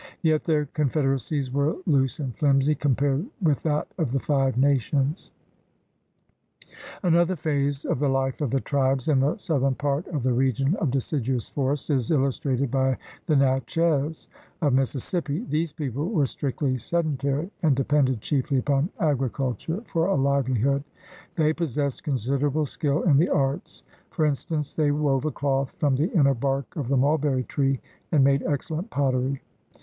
Yet their confederacies were loose and flimsy compared with that of the Five Nations. 162 THE RED MAN'S CONTINENT Another phase of the Hfe of the tribes in the southern part of the region of deciduous forests is illustrated by the Natchez of Mississippi. These people were strictly sedentary and depended chiefly upon agriculture for a livelihood. They possessed considerable skill in the arts. For in stance, they wove a cloth from the inner bark of the mulberry tree and made excellent pottery.